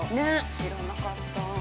知らなかったー。